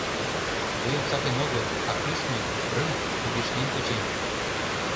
Вуйым сакен огыл, а кӱшнӧ, рыҥ, кугешнен кучен.